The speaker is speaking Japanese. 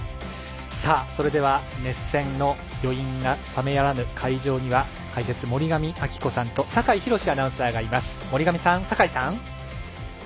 それでは熱戦の余韻が冷めやらぬ会場には解説、森上亜希子さんと酒井博司アナウンサーがいます。